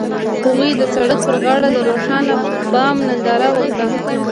هغوی د سړک پر غاړه د روښانه بام ننداره وکړه.